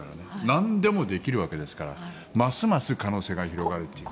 なんでもできるわけですからますます可能性が広がるという。